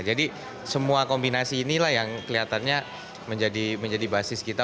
jadi semua kombinasi inilah yang kelihatannya menjadi basis kita